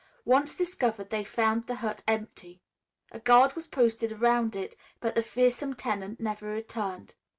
Once discovered, they found the hut empty. A guard was posted around it, but the fearsome tenant never returned.